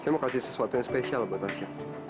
saya mau kasih sesuatu yang spesial buat tasya